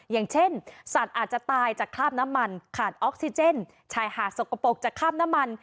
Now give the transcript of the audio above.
อย่างเช่นสัตว์อาจจะตายจากคราบน้ำมันขาดออกซิเจนชายหาดสกปรกจากคราบน้ำมัน